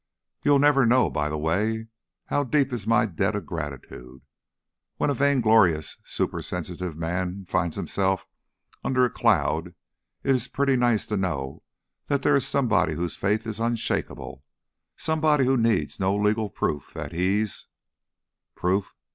"You'll never know, by the way, how deep is my debt of gratitude. When a vainglorious, supersensitive man finds himself under a cloud, it is pretty nice to know that there is somebody whose faith is unshakable; somebody who needs no legal proof that he's Proof!